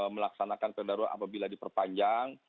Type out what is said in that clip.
melaksanakan kendaraan apabila diperpanjang